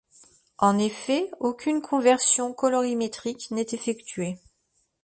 En effet, aucune conversion colorimétrique n'est effectuée.